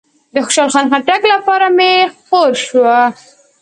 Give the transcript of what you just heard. د خوشحال خټک لپاره چې می خور شو